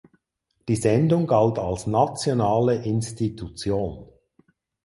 Die Sendung galt als nationale Institution.